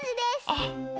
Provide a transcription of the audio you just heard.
あっ。